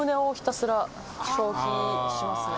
消費しますね。